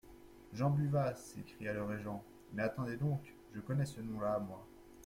Jean Buvat ! s'écria le régent ; mais attendez donc ! je connais ce nom-là, moi.